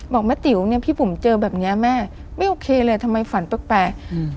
บอกแม่ติ๋วเนี้ยพี่บุ๋มเจอแบบเนี้ยแม่ไม่โอเคเลยทำไมฝันแปลกแปลกอืม